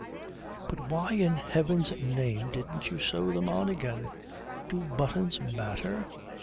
"But why in heaven's name didn't you sew them on again?" "Do buttons matter?